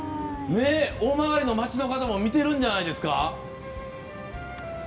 大曲の街の方も見てるんじゃないですか。